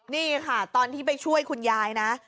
นี่ค่ะตอนที่ไปช่วยคุณยายนะ